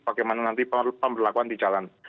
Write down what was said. bagaimana nanti pemberlakuan di jalan